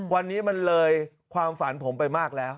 วันนี้มันเลยความฝันผมไปมากแล้ว